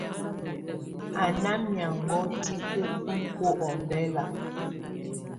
Á na miangɔ̀á tikǝ́ bibuǝ́ ɔmbɛla.